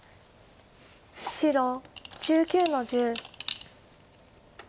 白１９の十。